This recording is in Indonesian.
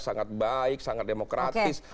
sangat baik sangat demokratis